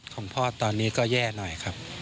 ของพ่อตอนนี้ก็แย่หน่อยครับ